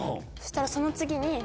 そしたらその次に。